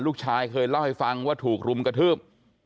ลูกชายเคยเล่าให้ฟังว่าถูกรุมกระทืบ